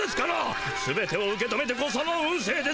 すべてを受け止めてこその運せいですぞ。